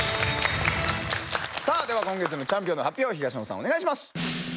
さあでは今月のチャンピオンの発表を東野さんお願いします。